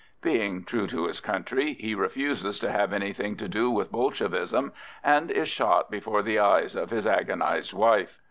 Being true to his country, he refuses to have anything to do with Bolshevism, and is shot before the eyes of his agonised wife.